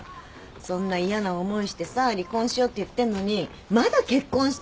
そんな嫌な思いしてさ離婚しようって言ってんのにまだ結婚したいわけ？